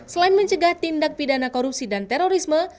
selain mencegah tindak pidana korupsi dan terorisme